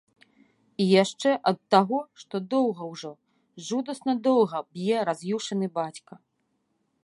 І яшчэ ад таго, што доўга ўжо, жудасна доўга б'е раз'юшаны бацька.